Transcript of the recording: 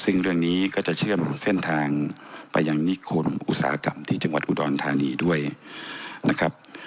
ซึ่งเรื่องนี้ก็จะเชื่อมรู้เส้นทางไปยังนิคมอุตสาหกรรมที่จังหวัดอุดรธานีด้วยนะครับ